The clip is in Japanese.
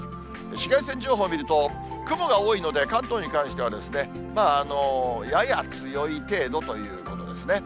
紫外線情報見ると、雲が多いので、関東に関してはやや強い程度ということですね。